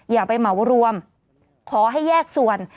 อย่าไปเหมารวมขอให้แยกส่วน